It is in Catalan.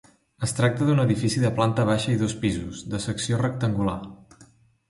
Es tracta d'un edifici de planta baixa i dos pisos, de secció rectangular.